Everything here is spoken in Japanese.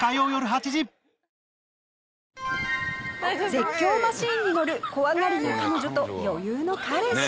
絶叫マシンに乗る怖がりの彼女と余裕の彼氏。